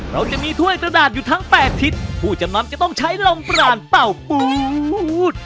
เราจะมีถ้วยกระดาษอยู่ทั้ง๘ทิศผู้จำนำจะต้องใช้ลมปรานเป่าปูด